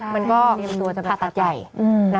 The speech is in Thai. มันก็ผ่าตัดใหญ่